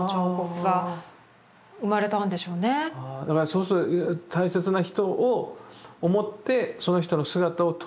そうすると大切な人を思ってその人の姿をとどめる。